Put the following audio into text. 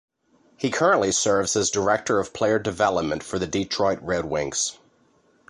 He currently serves as Director of Player Development for the Detroit Red Wings.